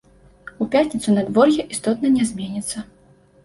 У пятніцу надвор'е істотна не зменіцца.